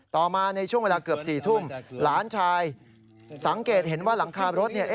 ต่อมาในช่วงเวลาเกือบ๔ทุ่มหลานชายสังเกตเห็นว่าหลังคารถเนี่ย